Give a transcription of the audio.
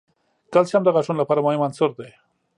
کلسیم د غاښونو لپاره مهم عنصر دی.